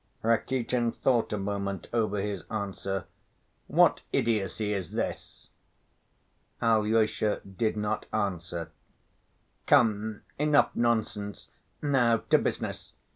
Rakitin thought a moment over his answer. "What idiocy is this?" Alyosha did not answer. "Come, enough nonsense, now to business.